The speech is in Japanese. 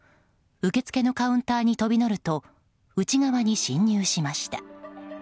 受け付けのカウンターに飛び乗ると内側に侵入しました。